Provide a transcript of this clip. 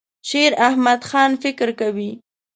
شیراحمدخان فکر کوي.